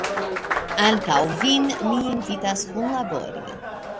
Ankaŭ vin ni invitas kunlabori!